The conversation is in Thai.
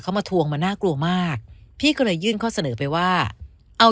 เขามาทวงมันน่ากลัวมากพี่ก็เลยยื่นข้อเสนอไปว่าเอา